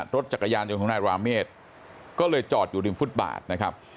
รถจักรยานยนต์ของนายราเมฆก็เลยจอดอยู่ริมฟุตบาทนะครับ